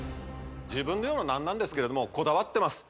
自分で言うのも何なんですけれどこだわってます